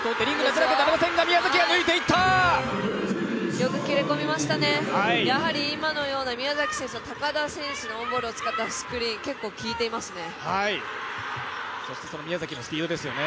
よく切り込みましたね、今のように宮崎選手や高田選手のオンボールを使ったスクリーン、結構効いていますね。